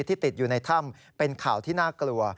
ติดอยู่ในถ้ำเป็นข่าวที่น่ากลัว